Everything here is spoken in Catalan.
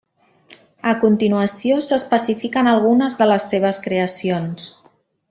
A continuació, s'especifiquen algunes de les seves creacions.